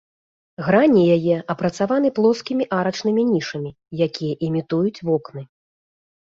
Грані яе апрацаваны плоскімі арачнымі нішамі, якія імітуюць вокны.